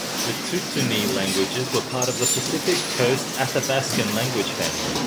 The Tututni languages were a part of the Pacific Coast Athabaskan language family.